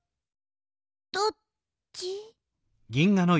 どっち？